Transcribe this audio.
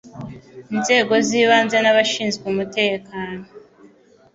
iznego z'ibanze n'abashinzwe umutekano